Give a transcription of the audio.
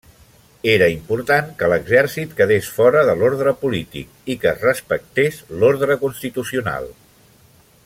Era important que l'exèrcit quedés fora de l'ordre polític i que es respectés l'ordre constitucional.